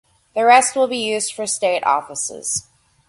The rest will be used for state offices.